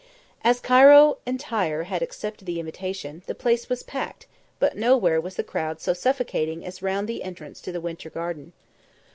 As Cairo entire had accepted the invitation, the place was packed, but nowhere was the crowd so suffocating as round the entrance to the Winter Garden.